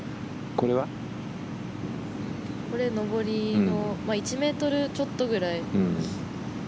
これは上りの１ｍちょっとくらい。